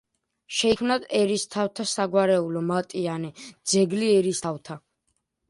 შეიქმნა ერისთავთა საგვარეულო მატიანე „ძეგლი ერისთავთა“.